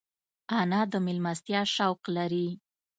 انا د مېلمستیا شوق لري